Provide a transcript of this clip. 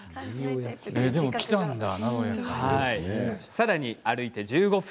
さらに、歩いて１５分。